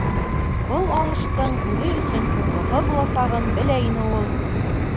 Был алыштың үҙе өсөн һуңғыһы буласағын белә ине ул.